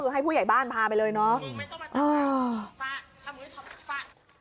ให้ผู้ใหญ่บ้านพาไปเลยเนาะ